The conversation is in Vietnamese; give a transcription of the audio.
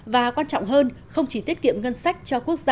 và quan trọng hơn không chỉ tiết kiệm ngân sách